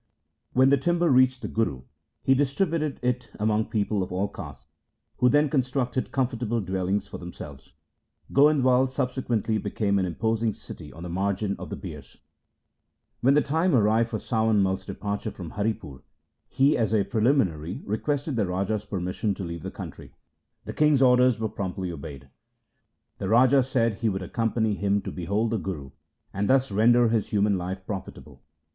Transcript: When the timber reached the Guru, he distributed it among people of all castes, who then constructed comfortable dwellings for them selves. Goindwal subsequently became an imposing city on the margin of the Bias. When the time arrived for Sawan Mai's departure from Haripur he as a preliminary requested the Raja's permission to leave his country. The Raja said he would accompany him to behold the Guru, and thus render his human life profitable.